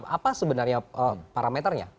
apa sebenarnya parameternya